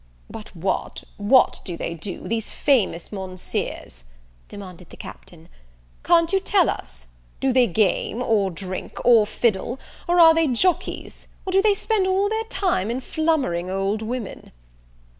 "But what, what do they do, these famous Monseers?" demanded the Captain; "can't you tell us? do they game? or drink? or fiddle? or are they jockeys? or do they spend all their time in flummering old women?"